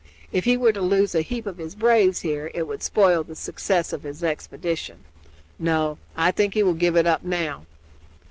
If he were to lose a heap of his braves here it would spoil the success of his expedition. No, I think as he will give it up now."